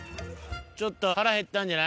ちょっと腹減ったんじゃない？